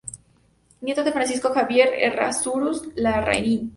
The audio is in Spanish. Nieto de Francisco Javier Errázuriz Larraín.